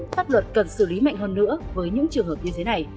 pháp luật cần xử lý mạnh hơn nữa với những trường hợp như thế này